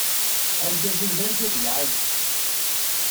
Argaz-iw d argaz lɛali.